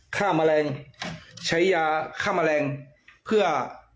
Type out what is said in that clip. ฆ่ามแรงใช้ยาฆ่ามแรงเพื่อ